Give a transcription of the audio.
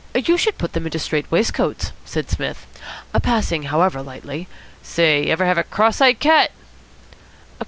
"You should put them into strait waistcoats," said Psmith. "Passing, however, lightly " "Say, ever have a cross eyed cat?"